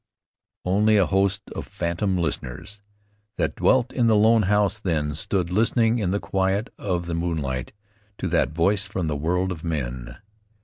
"Only a host of phantom listeners, That dwelt in the lone house then, Stood listening in the quiet of the moonlight To that voice from the world of men."